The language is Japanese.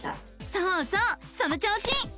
そうそうその調子！